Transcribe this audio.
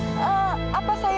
ini telepon haris bukan